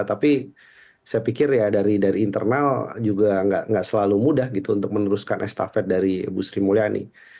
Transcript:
tapi saya pikir ya dari internal juga nggak selalu mudah gitu untuk meneruskan estafet dari ibu sri mulyani